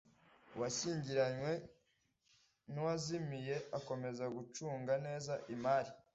uwashyingiranywe n uwazimiye akomeza gucunga neza imari